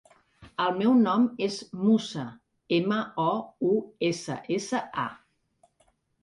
El meu nom és Moussa: ema, o, u, essa, essa, a.